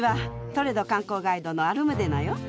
トレド観光ガイドのアルムデナよ。